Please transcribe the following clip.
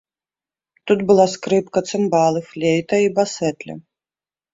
Тут была скрыпка, цымбалы, флейта і басэтля.